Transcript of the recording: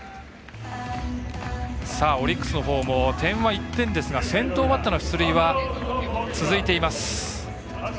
オリックスのほうも点は１点ですが先頭バッターの出塁は続いています。